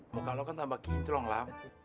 muka lu kan tambah kinclong lam